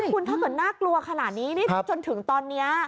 คุณถ้าเกิดน่ากลัวขนาดนี้นี่จนถึงตอนนี้